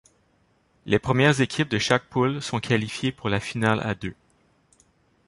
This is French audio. Les premières équipes de chaque poule sont qualifiées pour la finale à deux.